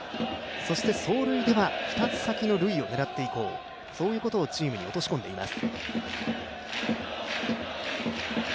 そして走塁では２つ先の塁を狙っていこう、そういうことをチームに落とし込んでいます。